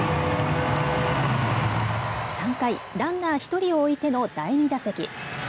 ３回、ランナー１人を置いての第２打席。